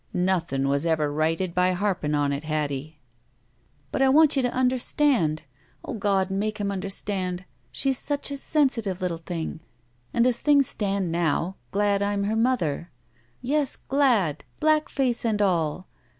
''Nothin* was ever righted by harping on it, Hattie." "But I want you to tmderstand — O God, make him tmderstand — she's such a sensitive little thing. And as things stand now — ^glad I'm her mother. Yes, glad — ^black face and all!